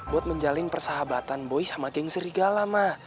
buat menjalin persahabatan boy sama geng serigala ma